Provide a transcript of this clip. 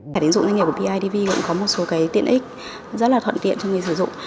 thẻ tín dụng doanh nghiệp của bidv cũng có một số tiện ích rất là thuận tiện cho người sử dụng